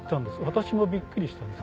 私もびっくりしたんですけど。